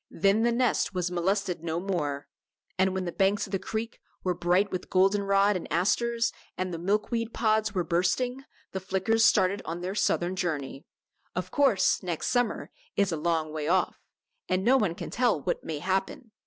Then the nest was molested no more. And when the banks of the creek were bright with golden rod and asters, and the milkweed pods were bursting, the Flickers started on their southern journey. Of course the next summer is a long way off, and no one can tell what may happen.